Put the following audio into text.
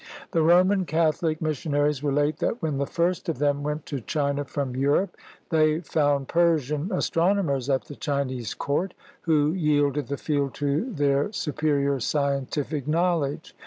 The Roman CathoHc missionaries relate that when the first of them went to China from Europe they found Persian astrono mers at the Chinese Court, who yielded the field to their superior scientific knowledge.